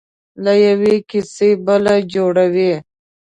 له یوې کیسې بله جوړوي.